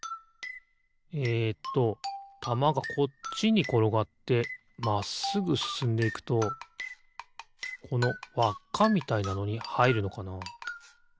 えっとたまがこっちにころがってまっすぐすすんでいくとこのわっかみたいなのにはいるのかな？